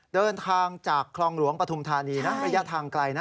เดินทางจากคลองหลวงปฐุมธานีนะระยะทางไกลนะ